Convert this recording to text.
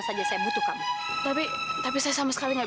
sampai jumpa di video selanjutnya